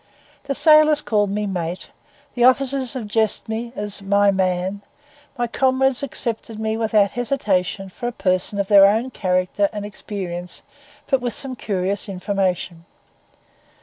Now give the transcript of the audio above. The sailors called me 'mate,' the officers addressed me as 'my man,' my comrades accepted me without hesitation for a person of their own character and experience, but with some curious information.